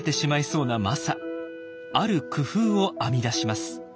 ある工夫を編み出します。